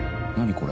これ。